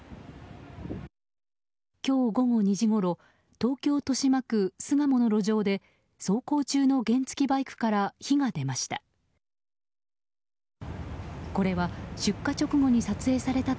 今日午後２時ごろ東京・豊島区巣鴨の路上で走行中の原付きバイクから火が出ました。